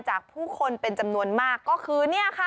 จากผู้คนเป็นจำนวนมากก็คือ